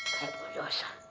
kaya buku rosa